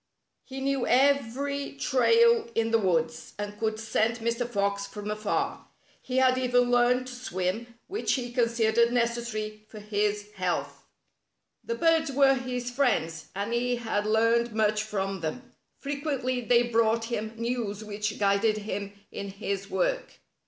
He knew every trail in the woods, and could scent Mr. Fox from afar. He had even learned to swim, which he considered necessary for his health. The birds were his friends, and he had learned much from them. Frequently they brought him news which guided him in his work.